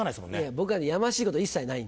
僕はねやましいこと一切ないんで。